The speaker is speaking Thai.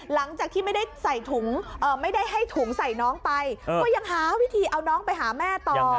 หลังจากที่ไม่ได้ให้ถุงใส่น้องไปก็ยังหาวิธีเอาน้องไปหาแม่ต่อ